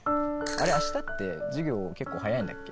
あしたって授業結構早いんだっけ？